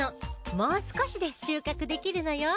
もう少しで収穫できるのよ。